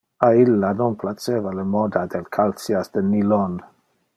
A illa non placeva le moda del calceas de nylon.